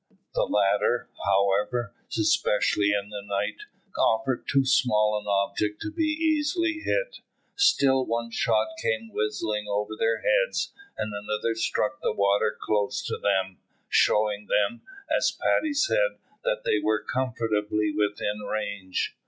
The latter, however, especially in the night, offered too small an object to be easily hit. Still one shot came whistling over their heads, and another struck the water close to them, showing them, as Paddy said, that they were comfortably within range.